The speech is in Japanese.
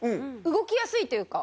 動きやすいというか。